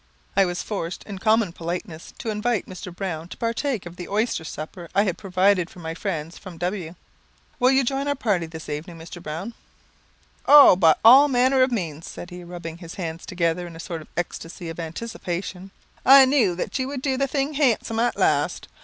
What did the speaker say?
I was forced, in common politeness, to invite Mr. Browne to partake of the oyster supper I had provided for my friends from W . "Will you join our party this evening, Mr. Browne?" "Oh, by all manner of means," said he, rubbing his hands together in a sort of ecstasy of anticipation; "I knew that you would do the thing handsome at last.